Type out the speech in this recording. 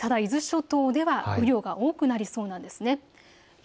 ただ伊豆諸島では雨量が多くなりそうなんです。